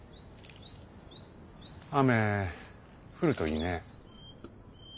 雨降るといいね。